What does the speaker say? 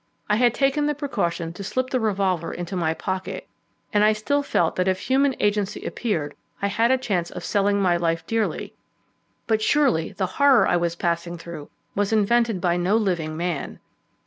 I had taken the precaution to slip the revolver into my pocket, and I still felt that if human agency appeared, I had a chance of selling my life dearly; but surely the horror I was passing through was invented by no living man!